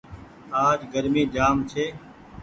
آج جآم گرمي ڇي۔